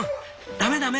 ダメダメ！